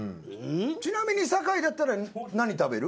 ちなみに酒井だったら何食べる？